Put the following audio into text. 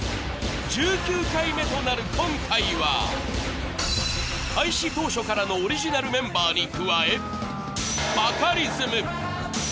１９回目となる今回は開始当初からのオリジナルメンバーに加え。